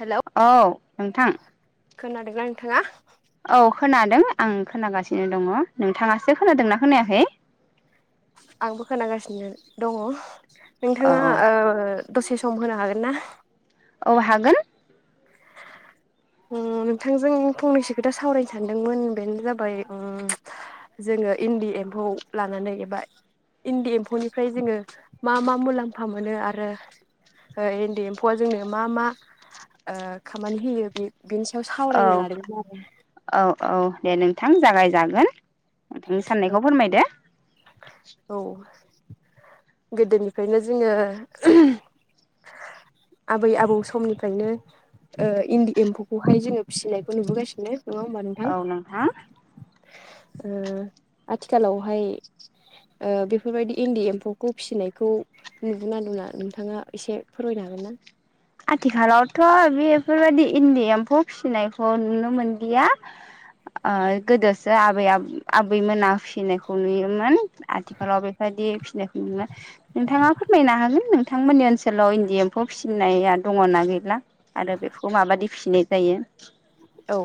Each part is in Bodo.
हेलौ औ नोंथां खोनादोंना नोंथाङा? औ खोनादों आं खोनागासिनो दङ नोंथाङासो खोनादोंना खोनायाखै? आंबो खोनागासिनो दङ। नोंथाङा औ ओ दसे स सम होनो हागोन ना? औ हागोन। ओम नोंथांजों फंनैसो खोथा सावरायनो सानदोंमोन। बेनो जाबाय ओम जोङो इन्दि एम्फौ लानानै एबा इन्दि एम्फौनिफ्राय जोङो मा मा मुलाम्फा मोनो आरो इन्दि एम्फौआ जोंनो मा मा खामानि होयो बे बेनि सायाव सावरायनो औ लादोंमोन आरो औ औ दे नोंथां जागायजागोन नोंथांनि साननायखौ आरो फोरमायदे औ गोदोनिफ्रायनो जोङो [unintelligible] आबै आबौ समनिफ्रायनो इन्दि ओम एम्फौखौहाय जोङो फिसिनायखौ नुबोगासिनो नङा होमबा नोंथां औ नोंथां ओ आथिखालावहाय ओ बेफोरबायदि इन्दि एम्फौखौ फिसिनायखौ नुगोनना नुला नोंथाङा एसे फोरमायनो हागोन ना? आथिखालावथ' बेफोरबायदि इन्दि एम्फौ फिसिनायखौ नुनो मोनलिया ओ गोदोसो आबै आ आबैमोना फि फिसिनायखौ नुयोमोन आथिखालाव बेफोरबायदि फिसिनायखौ नोंथाङा फोरमायनो हागोन थांमोननि ओनसोलाव इन्दि एम्फौ फिसिनाय आ- दङना गैला आरो बेखौ माबायदि फिनाय जायो? औ ओ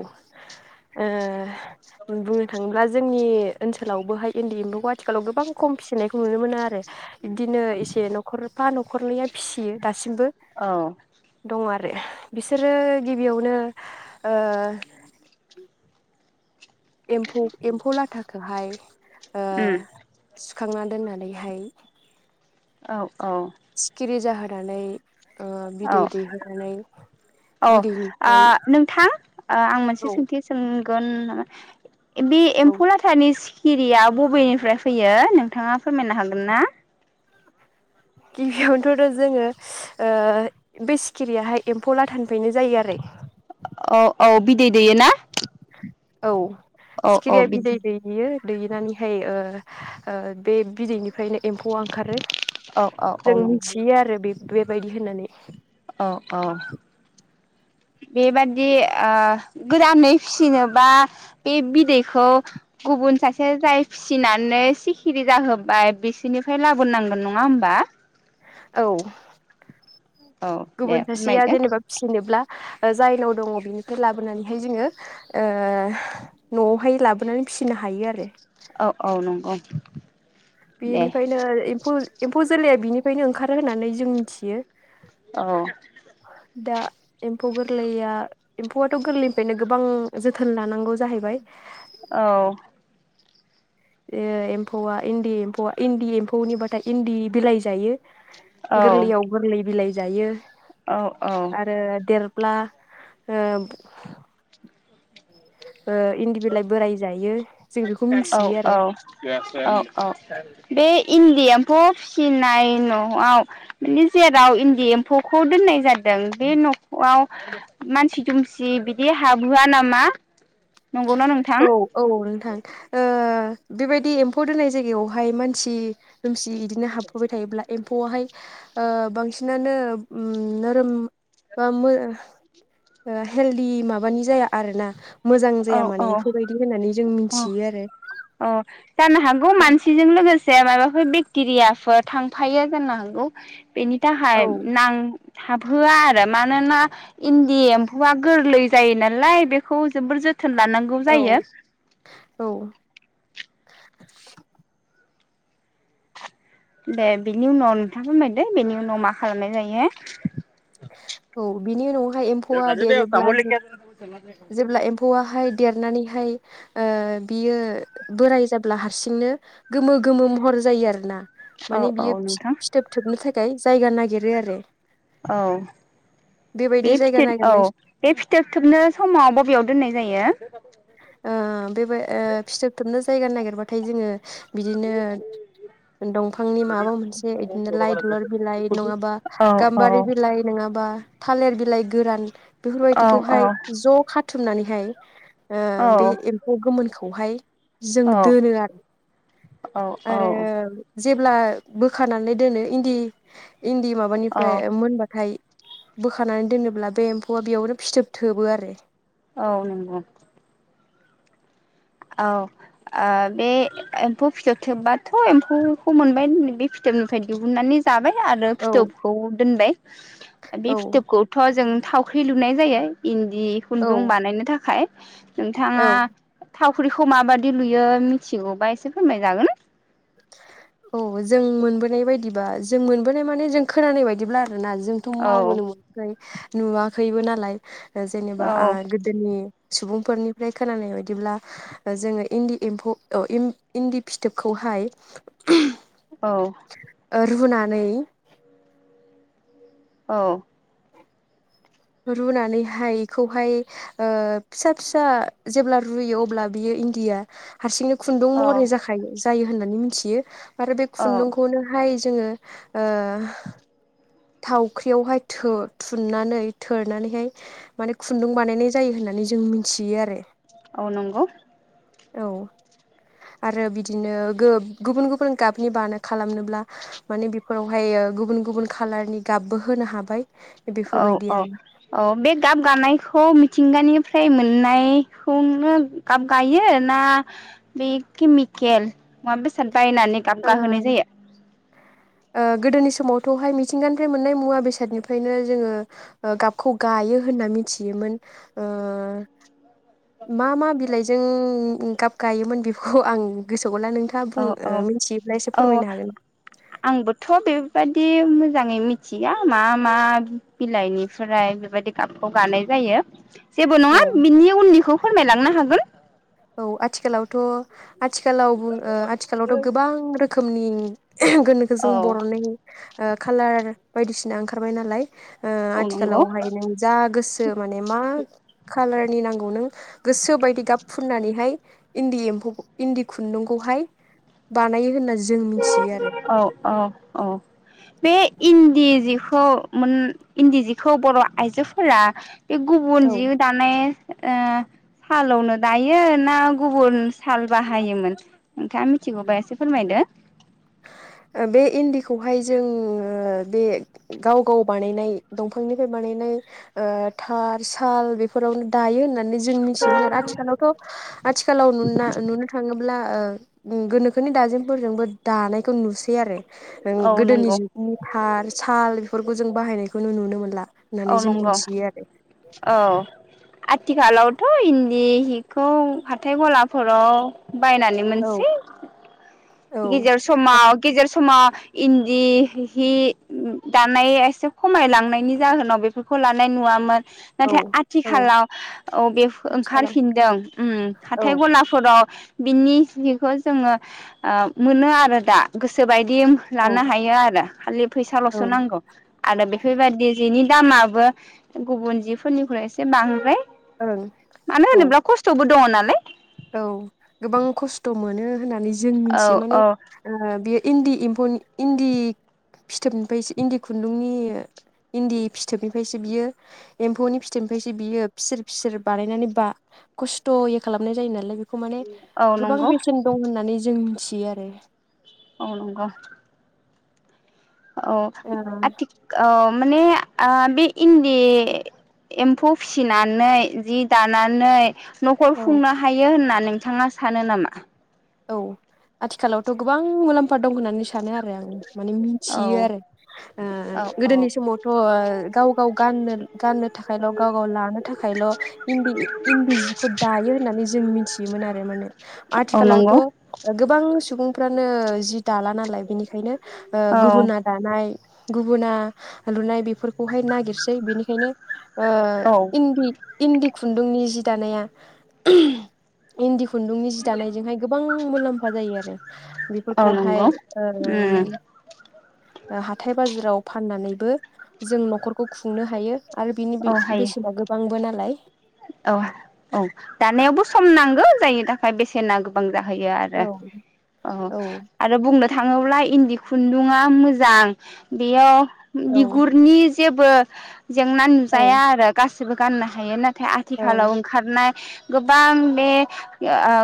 बुंनो थाङोब्ला जोंनि ओनसोलावबोहाय इन्दि एम्फौखौ आथिखालाव गोबां खम फिसिनायखौ नुनो मोनो आरो बिदिनो एसे न'खरफा न'खरनैया फिसियो दासिम मबो औ दङ आरो बिसोरो गिबियावनो ओ एम्फौ एम्फौ लाथाखौहाय ओम खांना दोननानैहाय औ औ नानै औ औ ओ बिदैनिफ्राय नोंथां ओ आं औ मोनसे सोंथि सों गोन मा बे औ एम्फौ लाथानि सि किरिया बबेनिफ्राय फैयो नोंथाङा फोरमायनो हागोन ना? गिबियावनोथ' जोङो ओ बे सिखिरियाहाय एम्फौ लाथानिफ्रायनो जायो आरो। औ औ बिदै दैयो ना? औ सिखिरिया बिदै बिदि दैयो। दैनानैहाय ओ ओ बे बिदैनि फायनो एम्फौआ ओंखारो औ औ औ जों नंगौ। मिथियो आरो बे- बेब बायदि होननानै औ औ बेबादि ओ गोदानै फिसिनोबा बे बिदैखौ गुबुन सासे जाय फिसिनानै सिखिरि जाहोबाय बिसोरनिफ्राय लाबोनोनांगोन नंङा होमबा? औ औ दे गुबुन सासेया फोरमायदो जेनेबा फिसिनोब्ला ओ जायनाव दंङ बिनिफ्राय लाबोनानैहाय जोंङो ओ न'आवहाय लाबोनानै फिसिनो हायो आरो। औ औ नंगौ। दे बेनिफ्रायनो एम्फौ एम्फौ जोलैया बिनि फायनो ओंखारो होननानै जों मिथियो। औ दा एम्फौ गोरलैया एम्फौआथ' गोरलैनिफ्रायनो गोबां जोथोन लानांगौ जाहैबाय औ ए एम्फौआ इन्दि एम्फौआ इन्दि एम्फौनिबाथाय इन्दि बिलाइ जायो। औ गोरलैयाव गोरलै बिलाइ जायो। औ आरो देर ब्ला ओ [unintelligible] ओ इन्दि बिलाइ बोराय जायो जों बेखौ औ मिथियो औ आरो औ औ बे इन्दि एम्फौ फिसिनाय न'आव माने जेराव इन्दि एम्फौखौ दोननाय जाद दों बे न'आव मानसि दुमसि बिदि हाबहोआ नामा? नंगौ ना औ नोंथां? औ नोंथां ओ बेबायदि एम्फौ दोननाय जायगायावहाय मानसि दुमसि बि इदिनो हाबफोबाय थायोब्ला एम्फौआवहाय ओ बांसिनानो नोरोम बा हेलदि माबानि जाया आर ना? मोजां जाया औ माने औ बेफोरबायदि होननानै जों मिथियो आरो। अ जानो हागौ मानसिजों लो गोसे माबाफोर बेक्टेरियाफोर थांफायो जानो हागौ बेनि थाखाय औ नां थाबहोआ आरो मानोना इन्दि एम्फौआ गोरलै जायो नालाय बेखौ जोबोर जो थोन लानांगौ जायो। औ औ दे बिनि उनाव नोंथाङा फोरमायदो बेनि उनाव मा खालामनाय जायो। औ बिनि उनावहाय एम्फौआ देरोब्ला जि जेब्ला एम्फौआहाय देरनानैहाय ओ बियो बोराय जाब्ला हारसिंनो गोमो गोमो महर जायो आरोना। औ माने बियो नोंथां फि-फिथोब थोबनो था खाय जायगा नागिरो आरो। औ बेबायदि बे जायगा फिथोब नागिरनाय औ बे फिथोब थोबनो समाव ब' बेयाव दोननाय जायो? ओ बेबाय फिथोब थोबनो जायगा नागिरबाथाय जोङो बिदिनो दंफांनि माबा मोनसे बिदिनो लाइ दलर बिलाइ नङाबा औ गाम्बारि बिलाइ नङाबा थालिर बिलाइ गोरान औ बेफोरबायदिखौहाय ज' खा थुमनानैहाय ओ औ बे एम्फौ गोमोनखौ खौहाय जों दोनो आरो, औ आरो औ जेब्ला बोखानानै दोनो इन्दि इन्दि औ माबानिफ्राय मोनबाथाय बोखानानै दोनोब्ला बे एम्फौआ बेयावनो फिथोब थोबो आरो। औ नंगौ। औ ओ बे एम्फौ फिथोब थोबबाथ' एम्फौखौ मोनबाय बे फिथोबनिफ्राय दिहुननानै जाबाय। आरो औ फिथोबखौ दोनबाय बे औ फिथोबखौथ' जों थावख्रि लुनाय जायो इन दि औ खुन्दुं बानायनो थाखाय। औ नोंथाङा थावख्रिखौ माबादि लुयो मिथिगौबा एसे फोरमाय जागोन ना? औ जों मोनबोनाय बायदिबा जों मोनबोनाय माने जों खोनानाय बायदिब्ला ना जोंथ' औ मावबोनो मोनाखै नुवा खैबो नालाय जेनेबा ओ औ गोदोनि सुबुं फोरनिफ्राय खोनानाय बायदिब्ला जोङो इन्दि एम्फौ अ इम इन्दि फिथोबखौहाय [unintelligible] औ। रुनानै औ। रुनानैहाय एखौहाय ओ फिसा फिसा जेब्ला रुयो अब्ला बियो इन्दिया हारसिंनो खुन्दुं औ महरनि जाखायो। जायो होननानै मिथियो। आरो बे औ खुन्दुंखौनोहाय जोङो ओ थावख्रियावहाय थो थुननानै थोरनानैहाय माने खुन्दुं बानायनाय जायो होननानै जों मिनथियो आरो। औ नंगौ। औ आरो बिदिनो गो गुबुन गुबुन गाबनि बानो खालामनोब्ला माने बेफोरावहाय ओ गुबुन गुबुन खालारनि गाबबो होनो हाबाय औ बेफोरबायदि औ आरो औ बे गाब गानायखौ थिंगानिफ्राय मोननायखौनो गाब गायो ना बे केमिकेल मुवा बेसाद बायनानै गाबगाहोनाय जायो? थ'हाय मिथिंगानिफ्राय मोननाय मुवा बेसादनिफ्रायनो जोङो ओ गाबखौ गायो होनना मिथियोमोन। ओ मा मा बिलाइजों गाब गायोमोन बेखौ आं गोसो [unintelligible] नोंथाङा बुं औ औ ओ औ आ-आ-आंबोथ' बे बायदि मोजाङै मिथिया मा मा बिलाइनिफ्राय बेबायदि गाबखौ गानाय जायो। जेबो नङा औ बिनि उननिखौ फोरमायलांनो हागोन। औ आथिखालावथ' आ थिखालाव ओ आथिखालावथ' गोबां रोखोमनि गोनोखो औ जों बरननाय खालार बायदिसिना ओंखारबाय नालाय ओ औ नंगौ आथिखालावहाय नों जा गोसो माने मा कालारनि नांगौ नों गोसो बायदि गाब निहाय इन्दि एम्फौ इन्दि खुन्दुंखौहाय बानायो होनना जों मिथियो आरो औ औ औ बे इन्दि जिखौ मोन इन्दि जिखौ बर' आइजोफोरा इ गुबुन औ जियो दानाय ओ हालावनो दायो ना गुबुन साल बाहायोमोन? नोंथाङा मिथिगौबा एसे फोरमायदो। ओ बे इन्दिखौहाय जों ओ बे गाव गाव बानायनाय दंफांनिफ्राय बानायनाय ओ थार साल बेफोरावनो दायो होननानै जों जों मिथियोमोन आरो आथिखालावथ' आथिखालाव नुना नुनो थाङोब्ला ओ उम गोनोखोनि दाजेमफोरजोंबो दानायखौ नुसै आरो ओ औ गोदोनि नंगौ जुगनि थार साल बेफोरखौ जों बाहायनायखौ नो नुनो मोनला। औ होननानै जों नंगौ मिथियो आरो औ आथिखालावथ इन्दि हिखौ हाथाइ औ गलाफोराव बायनानै मोनसै! औ गेजेर समाव गेजेर सम मा इन्दि हि दानाय एसे खमायलांनायनि जाहोनाव बेफोरखौ लानाय नुवामोन। नाथाय औ औ आथिखालाव आव बे आथिखालाव ओंखारफिनदों उम औ हाथाय गलाफोराव बिनि बिखौ जोंङो ओ मोनो आरो दा गोसोबायद जिम लानो औ हायो आरो खालि औ फैसालसो नांगौ। आरो बेफोरबादि जिनि दामाबो गुबुन जिफोरनिख्रुइ एसे बांद्राय ओं मानो औ होनोब्ला खस्थबो दंङ ना [unintelligible] औ गोबां खस्थ मोनो होननानै जों औ मिथियो माने औ ओ बे इन्दि इम्फु इन्दि फिथोबनिफ्रायसो इन्दि खुन्दुंनि इन्दि फिथोबनिफ्रायसो बियो एम्फौनि फिथोबनिफ्रायसो बियो फिसोर फिसोर बानायनानै बा खस्थयै खालामनाय जायो नारायण। [unintelligible] ख माने औ गोबां नंगौ बेसेन दं होननानै जों मिथि बि आरो अ नगौ औ आथि ओ माने ओ बि इन्दि एम्फौ फिसिनानै जि दानानै नखर ओ औ खुंनो हायो होननानै नोंथाङा सानो नामा औ आथिखालावथ गोबां मुलाम्फा दं होननानै सानो आरो आं माने औ मिथियो आरो औ औ गोदोनि समावथ गाव गाव गाननो गाननो थाखायल गाव गाव लानो थाखायल इन्दि इन्दि जिखौ दायो होननानै जों मिथियोमोन आरो माने औ आथिखालाव नंगौ थ गोबां सुबुं फानो जि दाला नालाय बिनिखायनो ओ औ गुबुना दानाय गुबुना लुनाय बेफोरखौहाय नागिरसै बेनिखायनो ओ औ इन्दि इन्दि खुन्दुंनि जि दानाया इन्दि खुन्दुंनि जि दानायजों हाय गोबां मुलाम्फा जायो आरो। औ बेफोरखौहाय नंगौ उम हाथाय बाजाराव फाननानैबो जों नखरखौ खुंनो हायो। आरो बिनि बे औ हायो बेसेना गोबांबो ना [inaudible] औ औ दानायावबो सम नांगौ जायनि थाखाय बेसेना गोबां जाहैयो आरो औ औ आरो बुंनो थाङोब्ला इन्दि खुन्दुा मोजां बेयाव औ बिगुरनि जेबो जेंना औ नुजाया आरो गासै गाननो हायो। नाथाय औ खाथिखालाव ओंखारनाय गोबां बे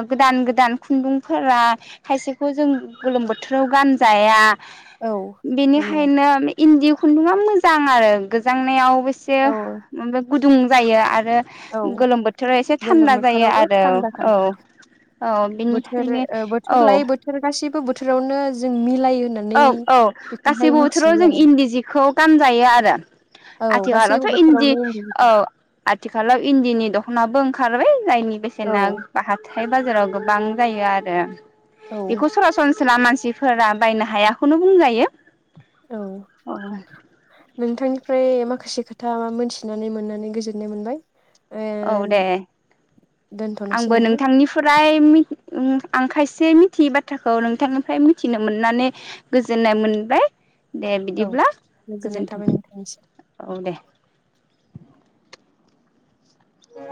गोदान गोदान खुन्दुंफोरा खायसेखौ जों गोलोम बोथोराव गानजाया। औ नंगौ बेनिखायनो इन्दि खुन्दुंआ मोजां आरो गोजांनायाव औ [inaudible] [inaudible] गुदुं जायो आरो औ गोलोम बोथोराव एसे गोलोम थान्दा जायो। बोथोरावबो आरो थान्दा औ खालामो औ बोथोर बिनिखायनो ओ औ बोथोर लायै बोथोर गासैबो बोथोरावनो जों मिलायो औ होननानै औ बेखौहाय गासैबो बोथोराव मिथियो जों आरो इन्दि जिखौ गानजायो आरो। औ आथिखालावथ गासैबो इन्दि बोथोरावनो औ इन्दि आथिखालाव इन्दिनि दखनाबो ओंखारबाय। जायनि औ बेसेना हाथाय बाजाराव गोबां जायो आरो। औ बेखौ सरासनस्रा मानसिफोरा बायना हायाखौनो बुंजायो। औ [unintelligible] नोंथांनिफ्राय माखासे खोथा मोनथिनानै मोननानै गोजोननाय मोनबाय। औ दे ओ दोनथ'नोसै आंबो नोंथां नोंथांनिफ्राय मि ओम आं खायसे मिथियै बाथ्राखौ नोंथांनिफ्राय मिथिनो मोननानै गोजोननाय मोनबाय। दे औ बिदिब्ला गोजोननाय गोजोन्थों। थाबाय नोंथांनिसिम औ दे।